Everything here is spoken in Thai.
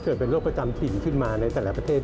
เกิดเป็นโรคประจำถิ่นขึ้นมาในแต่ละประเทศ